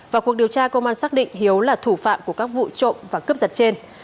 và cuộc điều tra công an xác định hiếu là thủ phạm của các vụ trộm và cướp giật trên